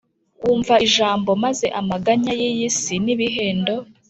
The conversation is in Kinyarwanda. wumva ijambo maze amaganya y iyi si n ibihendo